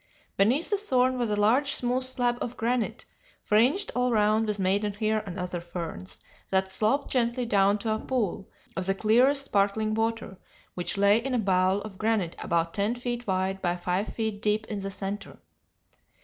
Beneath the thorn was a large smooth slab of granite fringed all round with maidenhair and other ferns, that sloped gently down to a pool of the clearest sparkling water, which lay in a bowl of granite about ten feet wide by five feet deep in the centre.